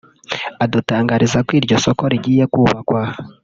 adutangariza ko iryo soko rigiye kubakwa